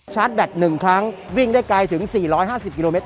แบต๑ครั้งวิ่งได้ไกลถึง๔๕๐กิโลเมต